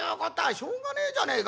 「しょうがねえじゃねえかなあ。